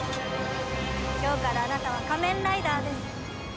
今日からあなたは仮面ライダーです。